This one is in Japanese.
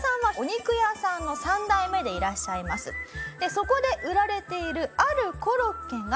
そこで売られているあるコロッケが。